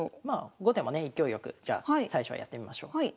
まあ後手もね勢いよくじゃあ最初はやってみましょう。